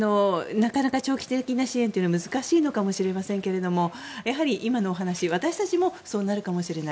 なかなか長期的な支援というのは難しいかもしれませんけど私たちもそうなるかもしれない。